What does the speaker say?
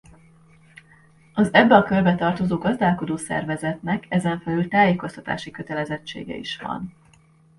Az ebbe a körbe tartozó gazdálkodó szervezetnek ezen felül tájékoztatási kötelezettsége is van.